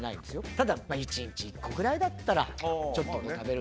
ただ、１日１個ぐらいだったら、ちょっと食べる。